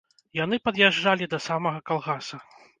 Яны пад'язджалі да самага калгаса.